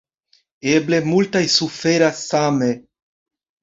Eble multaj suferas same.